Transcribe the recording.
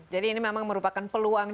jadi ini memang merupakan peluang